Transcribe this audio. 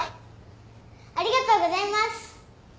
ありがとうございます。